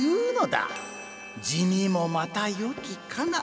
「地味もまた良きかな」。